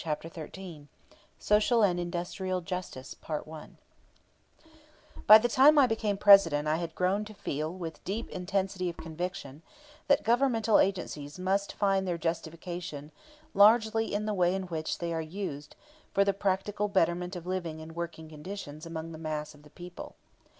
CHAPTER XIII SOCIAL AND INDUSTRIAL JUSTICE By the time I became President I had grown to feel with deep intensity of conviction that governmental agencies must find their justification largely in the way in which they are used for the practical betterment of living and working conditions among the mass of the people.